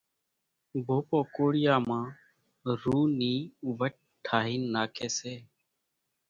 ڀوپو ڪوڙيان مان رُو نِي وٽِ ٺاھين ناکي سي